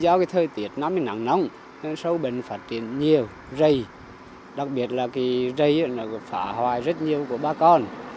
do thời tiết nắng nắng sâu bình phát triển nhiều dây đặc biệt là dây phá hoài rất nhiều của bà con